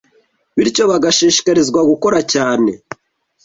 bityo bagashishikarizwa gukora cyane